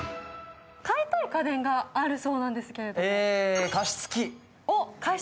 買いたい家電があるそうなんですけれども。